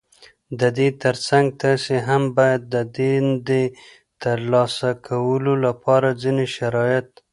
د دې تر څنګ تاسې هم بايد د دندې ترلاسه کولو لپاره ځينې شرايط